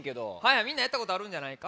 みんなやったことあるんじゃないか？